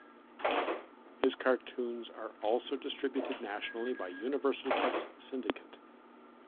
His cartoons are also distributed nationally by Universal Press Syndicate.